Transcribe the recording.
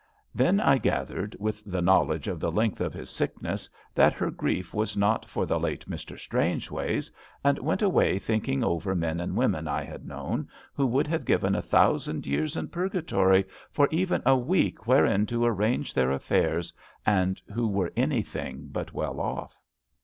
Then I gathered, with the knowledge of the length of his sickness, that her grief was not for the late Mr. Strangeways, and went away thinking over men and women I had known who would have given a thousand years in Purgatory for even a week wherein to arrange their affairs, and who were anything but well off.